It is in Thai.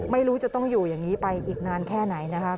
ไม่รู้จะต้องอยู่อย่างนี้ไปอีกนานแค่ไหนนะคะ